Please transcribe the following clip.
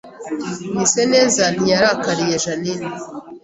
Mwiseneza ntiyarakariye Jeaninne